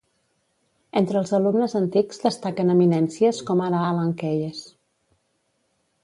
Entre els alumnes antics destaquen eminències com ara Alan Keyes.